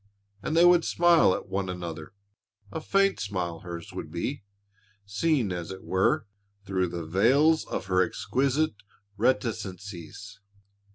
And they would smile at one another a faint smile hers would be, seen as it were, through the veils of her exquisite reticencies.